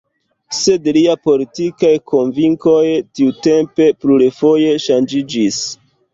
Sed lia politikaj konvinkoj tiutempe plurfoje ŝanĝiĝis.